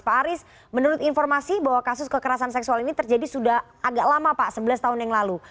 pak aris menurut informasi bahwa kasus kekerasan seksual ini terjadi sudah agak lama pak sebelas tahun yang lalu